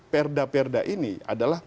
perda perda ini adalah